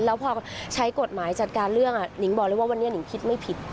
แล้วพอใช้กฎหมายจัดการเรื่องนิงบอกเลยว่าวันนี้นิงคิดไม่ผิด